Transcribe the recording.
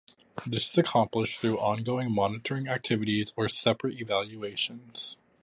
This is accomplished through ongoing monitoring activities or separate evaluations.